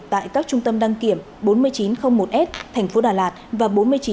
tại các trung tâm đăng kiểm bốn nghìn chín trăm linh một s tp đà lạt và bốn nghìn chín trăm linh hai s tp bảo lộc